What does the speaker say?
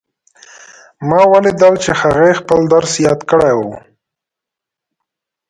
ما ولیدل چې هغې خپل درس یاد کړی وو